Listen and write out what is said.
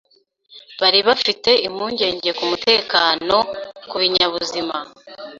bari bafite impungenge ku mutekano ku binyabuzima